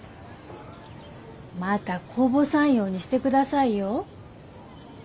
またこぼさんようにしてくださいよ。